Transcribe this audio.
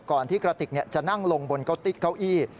ที่กระติกจะนั่งลงบนเก้าติ๊กเก้าอี้